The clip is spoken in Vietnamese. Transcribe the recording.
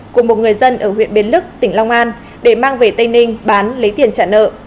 của một người dân ở huyện bến lức tỉnh long an để mang về tây ninh bán lấy tiền trả nợ